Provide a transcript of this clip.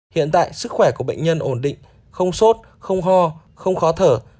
hiện tại sức khỏe của bệnh nhân ổn định không sốt không ho không khó thở